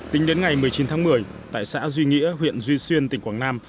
tính đến ngày một mươi chín tháng một mươi tại xã duy nghĩa huyện duy xuyên tỉnh quảng nam